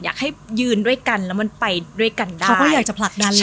อยากให้ยืนด้วยกันแล้วมันไปด้วยกันได้เขาก็อยากจะผลักดัน